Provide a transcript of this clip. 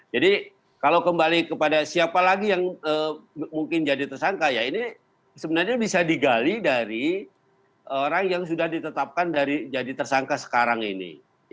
jadi kalau kembali kepada siapa lagi yang mungkin jadi tersangka ya ini sebenarnya bisa digali dari orang yang sudah ditetapkan dari jadi tersangka sekarang ini